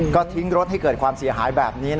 ก็ทิ้งรถให้เกิดความเสียหายแบบนี้